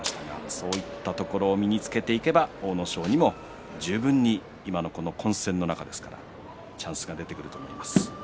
そういうところを身につけていけば阿武咲にも今の混戦の中ですからチャンスが出てくると思います。